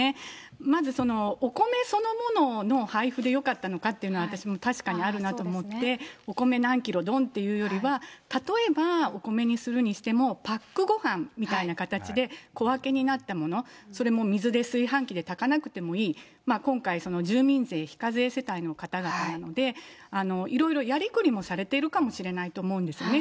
まず、お米そのものの配布でよかったのかっていうのは、私も確かにあるなと思って、お米何キロ、どんっていうよりは、例えば、お米にするにしても、パックごはんみたいな形で、小分けになったもの、それも水で、炊飯器で炊かなくてもいい、今回、住民税非課税世帯の方々なので、いろいろやりくりもされているかもしれないと思うんですよね。